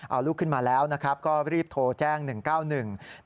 เอาลูกขึ้นมาแล้วก็รีบโทรแจ้ง๑๙๑